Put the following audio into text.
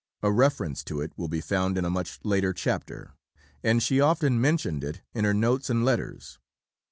A reference to it will be found in a much later chapter, and she often mentioned it in her notes and letters.